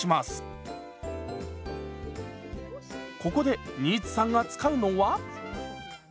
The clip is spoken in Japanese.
ここで新津さんが使うのは？